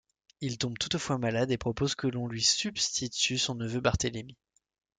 Il tombe toutefois malade et propose que l'on lui substitue son neveu Barthélemy.